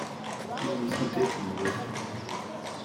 Ini-t-id akken iwata.